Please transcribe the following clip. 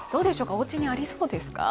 おうちにありそうですか？